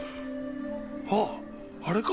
あああれか。